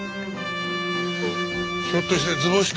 ひょっとして図星か？